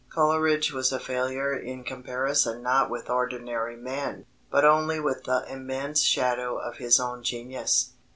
Coleridge was a failure in comparison not with ordinary men, but only with the immense shadow of his own genius.